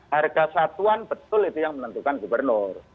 harga satuan betul itu yang menentukan gubernur